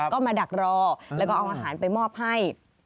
ก็มาดักรอแล้วก็เอาอาหารไปมอบให้